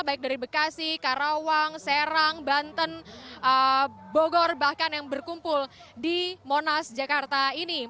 baik dari bekasi karawang serang banten bogor bahkan yang berkumpul di monas jakarta ini